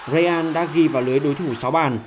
real đã ghi vào lưới đối thủ sáu bàn